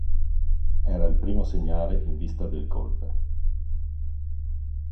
Era il primo segnale in vista del golpe.